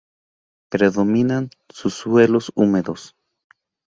Predominan suelos húmedos.